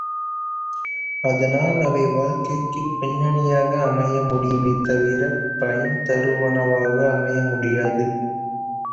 அதனால் அவை வாழ்க்கைக்குப் பின்னணியாக அமைய முடியுமே தவிரப் பயன் தருவனவாக அமையமுடியாது.